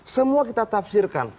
semua kita tafsirkan